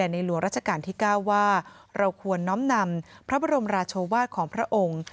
ในหลวงราชการที่๙ว่าเราควรน้อมนำพระบรมราชวาสของพระองค์